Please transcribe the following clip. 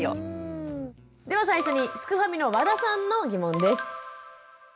では最初にすくファミの和田さんの疑問です。